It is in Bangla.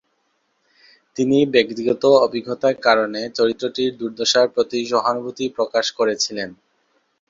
তিনি ব্যক্তিগত অভিজ্ঞতার কারণে চরিত্রটির দুর্দশার প্রতি সহানুভূতি প্রকাশ করেছিলেন।